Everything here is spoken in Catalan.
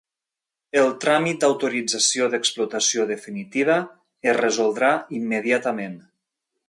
El tràmit d'autorització d'explotació definitiva es resoldrà immediatament.